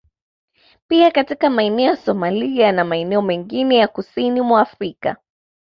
Pia katika maeneo ya Somalia na maeneo mengine ya kusini mwa Afrika